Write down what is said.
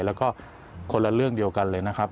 แล้วก็คนละเรื่องเดียวกันเลย